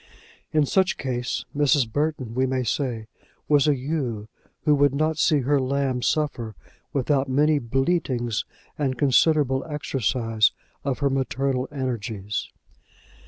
In such case Mrs. Burton, we may say, was a ewe who would not see her lamb suffer without many bleatings and considerable exercise of her maternal energies.